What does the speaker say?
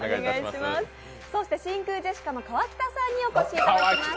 そして、真空ジェシカさんの川北さんにお越しいただきました。